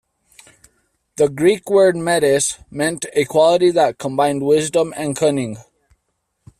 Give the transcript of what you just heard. The Greek word "metis" meant a quality that combined wisdom and cunning.